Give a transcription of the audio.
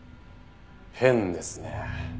変ですね。